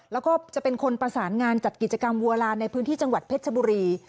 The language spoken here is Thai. แล้วก็จะเป็นคนประสานงานจัดกิจกรรมวัวลานในพื้นที่จังหวัดเพชรบุรี